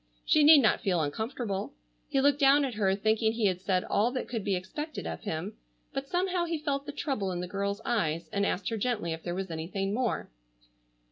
She need not feel uncomfortable. He looked down at her thinking he had said all that could be expected of him, but somehow he felt the trouble in the girl's eyes and asked her gently if there was anything more.